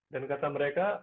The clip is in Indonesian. dan kata mereka